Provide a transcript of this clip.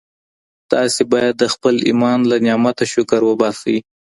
تاسي باید د خپل ایمان له نعمته شکر وباسئ.